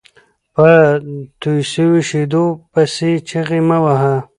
په توى سوو شېدو پيسي چیغي مه وهه!